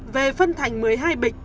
về phân thành một mươi hai bịch